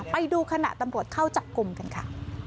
ไปดูขณะตำรวจเข้าจับกลุ่มกันค่ะ